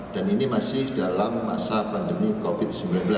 dan ini masih dalam masa pandemi covid sembilan belas